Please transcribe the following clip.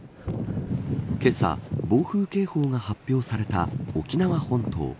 けさ、暴風警報が発表された沖縄本島。